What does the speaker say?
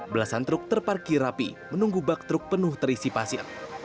belasan truk terparkir rapi menunggu bak truk penuh terisi pasir